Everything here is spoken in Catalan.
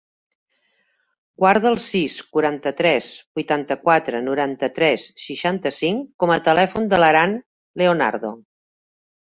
Guarda el sis, quaranta-tres, vuitanta-quatre, noranta-tres, seixanta-cinc com a telèfon de l'Aran Leonardo.